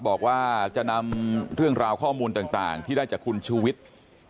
บอกว่าจะนำเรื่องราวข้อมูลต่างที่ได้จากคุณชูวิทย์